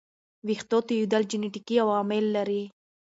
ویښتو توېیدل جنیټیکي عوامل هم لري.